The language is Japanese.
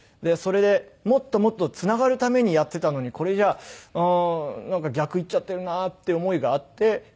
それでもっともっとつながるためにやってたのにこれじゃあなんか逆行っちゃってるなっていう思いがあって。